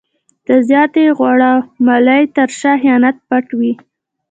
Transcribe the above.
د زیاتې غوړه مالۍ تر شا خیانت پټ وي.